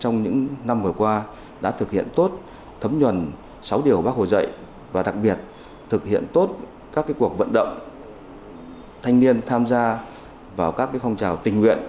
trong những năm vừa qua đã thực hiện tốt thấm nhuần sáu điều bác hồ dạy và đặc biệt thực hiện tốt các cuộc vận động thanh niên tham gia vào các phong trào tình nguyện